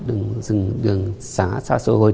đường xa xôi hồi